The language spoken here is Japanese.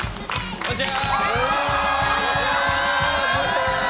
こんにちは！